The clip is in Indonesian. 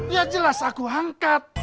ya jelas aku angkat